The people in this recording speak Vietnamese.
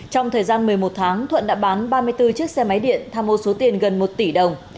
trong thời gian một mươi một tháng thuận đã bán ba mươi bốn chiếc xe máy điện tham ô số tiền gần một tỷ đồng